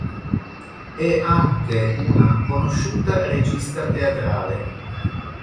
È anche una conosciuta regista teatrale.